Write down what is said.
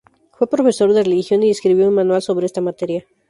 Fue profesor de religión y escribió un manual sobre esta materia.